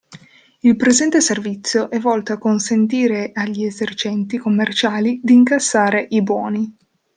Il presente servizio è volto a consentire agli esercenti commerciali di incassare i buoni.